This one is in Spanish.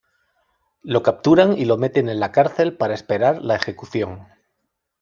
Lo capturan y lo meten en la cárcel para esperar la ejecución.